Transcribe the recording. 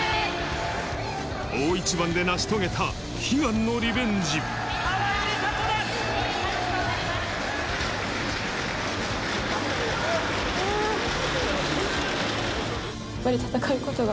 大一番で成し遂げた悲願のリ川井梨紗子だ。